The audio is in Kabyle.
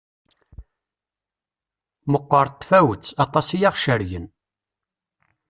Meqqert tfawet, aṭas i aɣ-cergen.